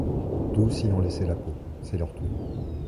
Tous y ont laissé la peau, c'est leur tour.